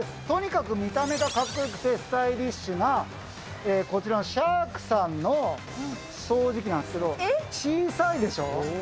とにかく見た目がかっこよくて、スタイリッシュな、こちらのシャークさんの掃除機なんですけど、小さいでしょ。